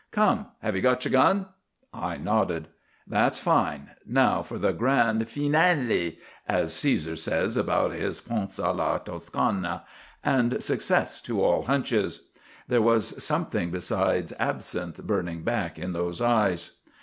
"Come. Have you got your gun?" I nodded. "That's fine. Now for the grand 'feenale,' as Cæsar says about his ponce à la toscana. And success to all hunches!" There was something besides absinthe burning back in those eyes.